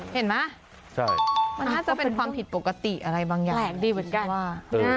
เห็นไหมมันน่าจะเป็นความผิดปกติอะไรบางอย่างแปลกดีเหมือนกัน